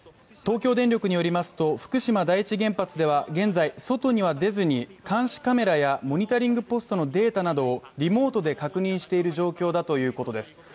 東京電力によりますと、福島第一原発では現在、外には出ずに、監視カメラやモニタリングポストのデータなどをリモートで確認している状況だということです。